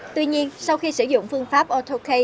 tuy nhiên sau khi sử dụng phương pháp auto k